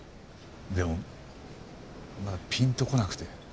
でもまだピンとこなくて。